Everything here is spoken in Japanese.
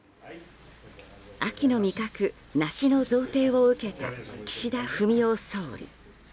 秋の味覚、梨の贈呈を受けた岸田文雄総理。